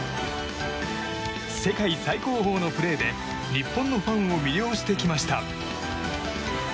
世界最高峰のプレーで日本のファンを魅了してきました。